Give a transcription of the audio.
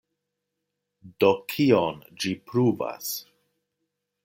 Do kion ĝi pruvas?